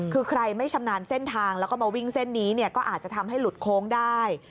คือใครไม่ชำนาญเส้นทางแล้วก็มาวิ่งเส้นนี้เนี่ยก็อาจจะทำให้หลุดโค้งได้